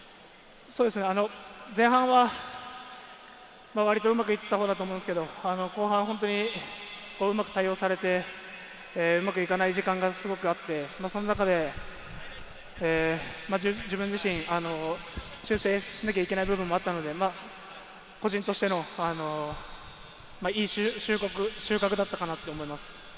前半は割とうまくいっていたほうだと思うんですけど、後半、本当にうまく対応されて、うまくいかない時間帯がすごくあって、その中で自分自身修正しなきゃいけない部分もあったので、個人としていい収穫だったかなと思います。